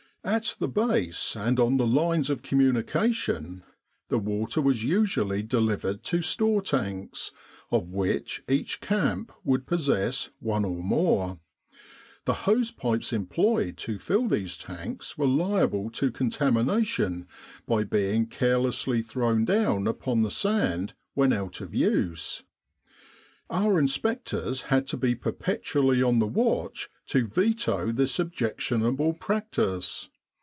At the Base and on the lines of communica tion, the water was usually delivered to store tanks, of which each camp would possess one or more. The hosepipes employed to fill these tanks were liable to contamination by being carelessly thrown down upon the sand when out of use : our inspectors had to be Camp Sanitation perpetually on the watch to veto this objectionable practice.